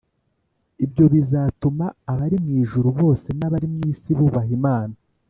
Ibyo bizatuma abari mu ijuru bose n’abari mu isi bubaha Imana